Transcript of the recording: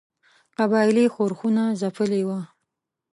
قبایلي ښورښونه ځپلي وه.